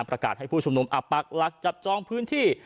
ให้ผู้ชุมนุมอับปักหลักจับจองพื้นที่